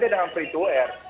dengan free to air